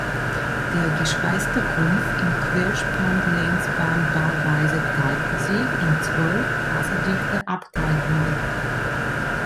Der geschweißte Rumpf in Querspant-Längsband-Bauweise teilte sich in zwölf wasserdichte Abteilungen.